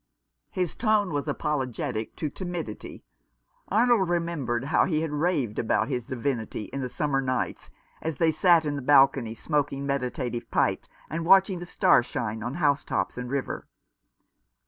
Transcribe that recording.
His tone was apologetic to timidity. Arnold remembered how he had raved about his divinitf 214 Other Lives. in the summer nights, as they sat in the balcony, smoking meditative pipes, and watching the star shine on housetops and river.